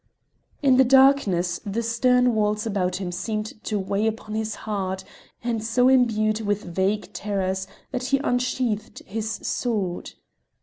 In the darkness the stern walls about him seemed to weigh upon his heart, and so imbued with vague terrors that he unsheathed his sword.